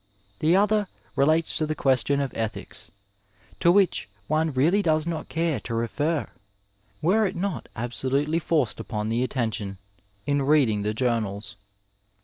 The other relates to the question of ethics, to which one really does not care to refer, were it not absolutely forced upon the attention in reading the journals.